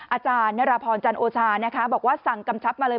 อาจารย์นรพรจันโอชานะคะบอกว่าสั่งกำชับมาเลย